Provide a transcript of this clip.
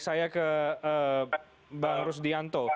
saya ke bang rusdianto